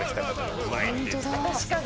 確かに。